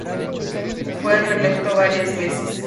Fue reelecto varias veces.